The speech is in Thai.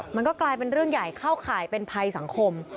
มันก็กลายเป็นเรื่องใหญ่เข้าข่ายเป็นภัยสังคม